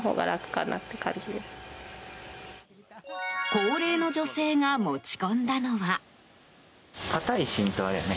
高齢の女性が持ち込んだのは。